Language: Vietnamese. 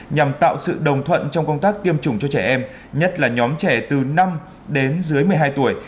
nhằm tạo sự đồng thuận trong công tác tiêm chủng cho trẻ em nhất là nhóm trẻ từ năm đến dưới một mươi hai tuổi